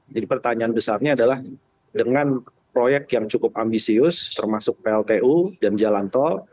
jadi pertanyaan besarnya adalah dengan proyek yang cukup ambisius termasuk pltu dan jalanto